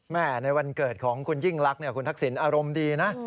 ในวันเกิดของคุณยิ่งรักคุณทักษิณอารมณ์ดีนะ